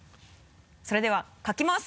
それでは書きます！